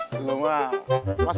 makasih buat apaan